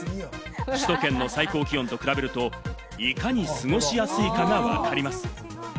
首都圏の最高気温と比べると、いかに過ごしやすいかがわかります。